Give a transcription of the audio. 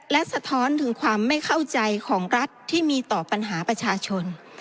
และสะท้อนถึงความไม่เข้าใจของรัฐที่มีต่อปัญหาประชาชน